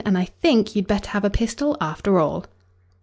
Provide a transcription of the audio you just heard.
And I think you'd better have a pistol, after all."